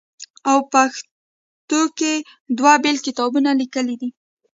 او پښتو کښې دوه بيل کتابونه ليکلي دي